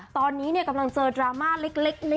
ตอนนี้เนี่ยกำลังเจอดราม่าเล็กเล็กน้อย